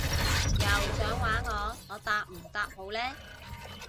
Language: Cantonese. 又想玩我？我答唔答好呢？